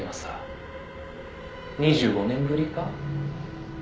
「２５年ぶりか？」